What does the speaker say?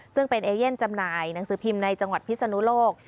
ซึ่งเป็นเอเย่นจำหน่ายหนังสือพิมพ์ในจังหวัดพิศนุโลก